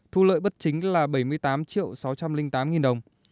thu lợi bất chính là bảy mươi tám triệu sáu trăm linh tám nghìn đồng